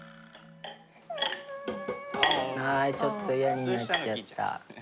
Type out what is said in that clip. あちょっと嫌になっちゃった。